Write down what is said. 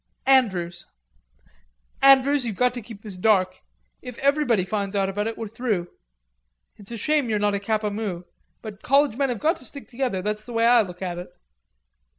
"Andrews." "Andrews, you've got to keep this dark. If everybody finds out about it we're through. It's a shame you're not a Kappa Mu, but college men have got to stick together, that's the way I look at it."